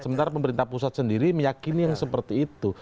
sementara pemerintah pusat sendiri meyakini yang seperti itu